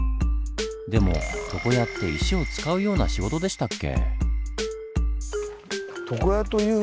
でも床屋って石を使うような仕事でしたっけ？